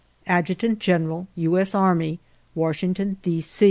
"Adjutant General, "U. S. Army, Washington, D.